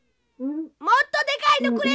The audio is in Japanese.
もっとでかいのくれ！